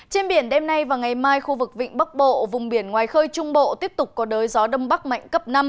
trên biển đêm nay và ngày mai khu vực vịnh bắc bộ vùng biển ngoài khơi trung bộ tiếp tục có đới gió đông bắc mạnh cấp năm